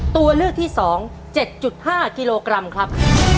ตัวเลือกที่๒๗๕กิโลกรัมครับ